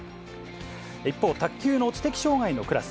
一方、卓球の知的障がいのクラス。